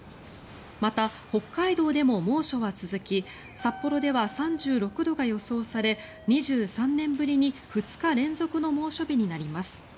また、北海道でも猛暑は続き札幌では３６度が予想され２３年ぶりに２日連続の猛暑日になります。